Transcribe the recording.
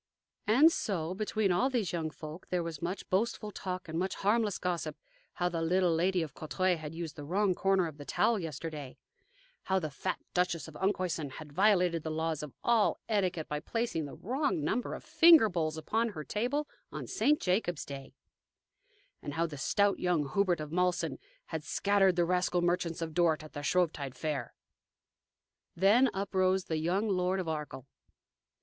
And so, between all these young folk, there was much boastful talk and much harmless gossip how the little Lady of Courtrai had used the wrong corner of the towel yesterday; how the fat Duchess of Enkhuysen had violated the laws of all etiquette by placing the wrong number of finger bowls upon her table on St. Jacob's Day; and how the stout young Hubert of Malsen had scattered the rascal merchants of Dort at their Shrovetide fair. Then uprose the young Lord of Arkell.